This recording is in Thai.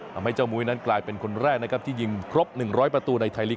ทำให้เจ้ามุ้ยนั้นกลายเป็นคนแรกนะครับที่ยิงครบ๑๐๐ประตูในไทยลีก